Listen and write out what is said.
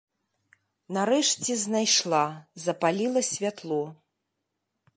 Нарэшце знайшла, запаліла святло.